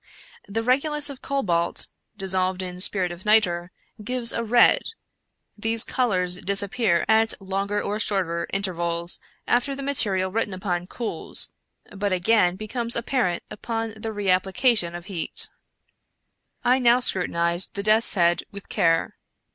The regulus of cobalt, dissolved in spirit of niter, gives a red. These colors disappear at longer or shorter intervals after the ma terial written upon cools, but again become apparent upon the reapplication of heat. 151 American Mystery Stories " I now scrutinized the death's head with care.